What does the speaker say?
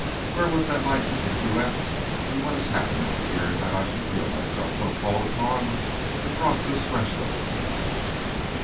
Where was that light, Mrs. Truax, and what has happened here that I should feel myself called upon to cross this threshold to night?"